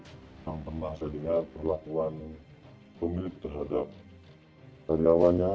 saya pernah dengar perlakuan pemilik terhadap warga awalnya